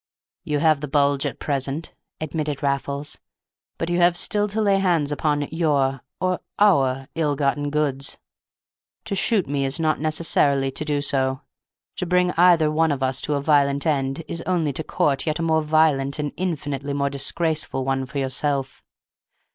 "You have the bulge at present," admitted Raffles; "but you have still to lay hands upon your, or our, ill gotten goods. To shoot me is not necessarily to do so; to bring either one of us to a violent end is only to court a yet more violent and infinitely more disgraceful one for yourself.